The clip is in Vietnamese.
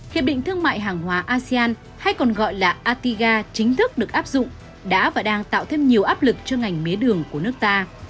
hiệp định thương mại hàng hóa asean hay còn gọi là atiga chính thức được áp dụng đã và đang tạo thêm nhiều áp lực cho ngành mía đường của nước ta